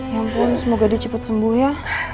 ya ampun semoga dia cepet sembuh ya